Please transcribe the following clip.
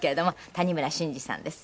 谷村新司さんです。